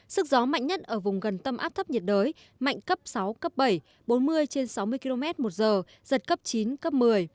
sức gió mạnh nhất ở vùng gần tâm áp thấp nhiệt đới mạnh cấp sáu cấp bảy bốn mươi trên sáu mươi km một giờ giật cấp chín cấp một mươi